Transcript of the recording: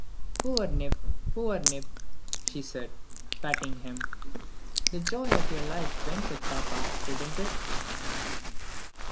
"Poor Nip! poor Nip!" she said, patting him. "The joy of your life went with papa, didn't it?"